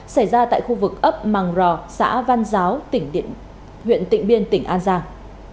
xảy ra tại khu vực ấp mằng rò xã văn giáo huyện tịnh biên tỉnh an giang